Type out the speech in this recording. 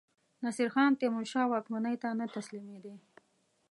نصیرخان تیمورشاه واکمنۍ ته نه تسلیمېدی.